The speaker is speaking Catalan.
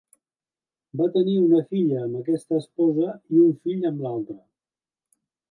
Va tenir una filla amb aquesta esposa, i un fill amb l'altra.